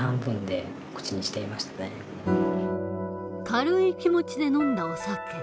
軽い気持ちで飲んだお酒。